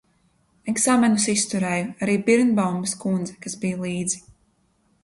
Eksāmenus izturēju, arī Birnbaumes kundze, kas bija līdzi.